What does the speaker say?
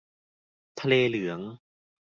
ทะเลเหลือง